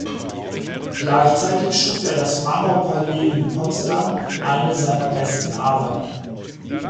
Gleichzeitig schuf er das Marmorpalais in Potsdam, eine seiner besten Arbeiten.